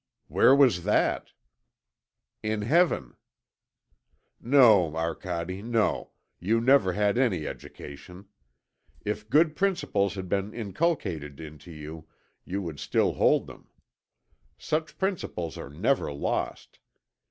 "Where was that?" "In Heaven." "No, Arcade, no; you never had any education. If good principles had been inculcated into you, you would still hold them. Such principles are never lost.